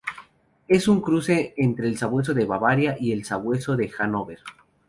Es un cruce entre el Sabueso de Bavaria y el Sabueso de Hannover.